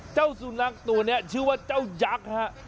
เจ้าสุนัขตัวนี้ชื่อว่าเจ้ายักษ์ฮะ